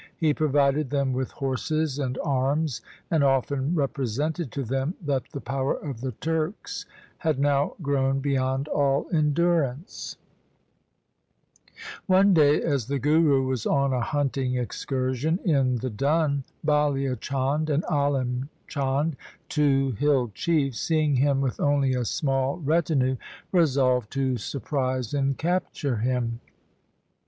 He provided them with horses and arms, and often represented to them that the power of the Turks had now grown beyond all endurance. 1 The genius of Arabian tales. 120 THE SIKH RELIGION One day as the Guru was on a hunting excursion in the Dun, Balia Chand and Alim Chand, two hill chiefs, seeing him with only a small retinue, resolved to surprise and capture him.